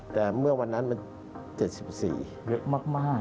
แต่เมื่อวันนั้นมัน๗๔ล้านลูกบาทเยอะมาก